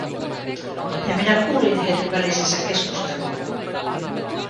Ja minä kuulin heidän välisensä keskustelun.